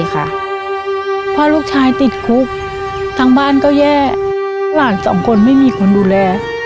เพราะลูกชายติดคุกทั้งบ้านก็แย่หลานสองคนไม่มีคนดูแล